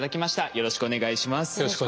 よろしくお願いします。